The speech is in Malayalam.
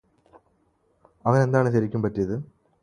അവനെന്താണ് ശരിക്കും പറ്റിയത്